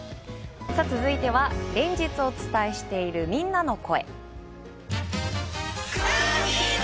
続いては、連日お伝えしているみんなの声。